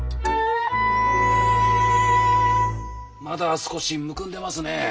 まだ少しむくんでますね。